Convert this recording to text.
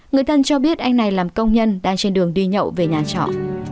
người thân cho biết anh này làm công nhân đang trên đường đi nhậu về nhà trọ